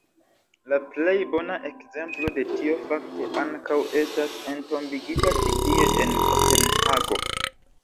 La plej bona ekzemplo de tio fakte ankaŭ estas entombigita ĉi tie en Kopenhago.